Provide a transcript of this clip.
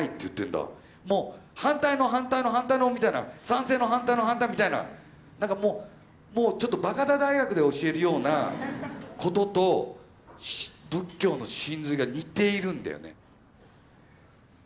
もう反対の反対の反対のみたいな賛成の反対の反対みたいななんかもうもうちょっとバカ田大学で教えるようなことと仏教の真髄が似ているんだよね。